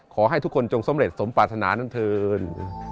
ขอให้ทุกคนจงสำเร็จสมปรารถนานั้นเถิน